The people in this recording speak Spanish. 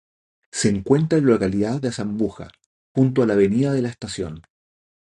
Se encuentra en la localidad de Azambuja, junto a la Avenida de la Estación.